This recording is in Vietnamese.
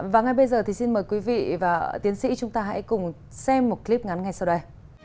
và ngay bây giờ thì xin mời quý vị và tiến sĩ chúng ta hãy cùng xem một clip ngắn ngay sau đây